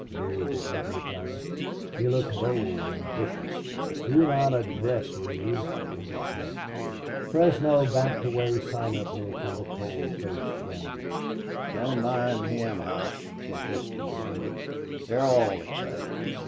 leered the ugly giant. He looked bold and vicious. "Do not address me," ordered Hough. Fresno backed away silently from the cold faced gambler. "Don't mind him, Hough," protested Durade. "They're all excited.